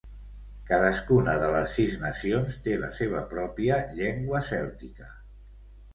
Cadascuna de les sis nacions té la seva pròpia llengua cèltica.